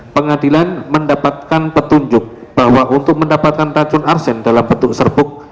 pengadilan mendapatkan petunjuk bahwa untuk mendapatkan racun arsen dalam bentuk serbuk